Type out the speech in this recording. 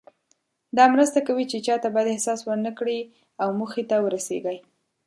دا مرسته کوي چې چاته بد احساس ورنه کړئ او موخې ته ورسیږئ.